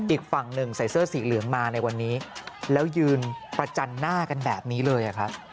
อีกฝั่งหนึ่งใส่เสื้อสีเหลืองมาในวันนี้แล้วยืนประจันหน้ากันแบบนี้เลยครับ